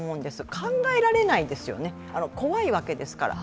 考えられないですよね、怖いわけですから。